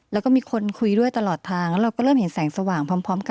แล้วก็มีคนคุยด้วยตลอดทางแล้วเราก็เริ่มเห็นแสงสว่างพร้อมกัน